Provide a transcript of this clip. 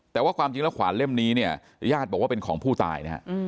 แต่ว่าความจริงขวานเล่มนี้ญาติบอกว่าเป็นของผู้ตาย